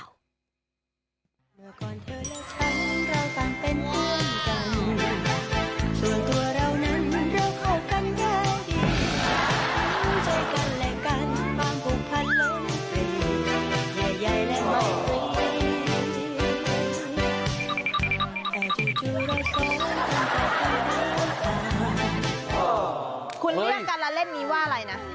คุณเรียกการละเล่นนี้ว่าอะไรนะ